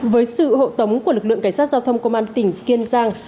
với sự hộ tống của lực lượng cảnh sát giao thông công an tỉnh kiên giang